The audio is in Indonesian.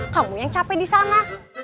kamu yang capek disana